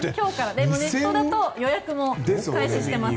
でもネットだと予約も開始してます。